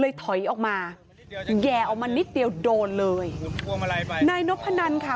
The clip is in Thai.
ถอยออกมาแย่ออกมานิดเดียวโดนเลยนายนพนันค่ะ